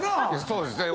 そうですね。